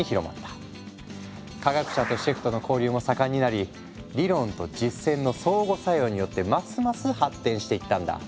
科学者とシェフとの交流も盛んになり理論と実践の相互作用によってますます発展していったんだ。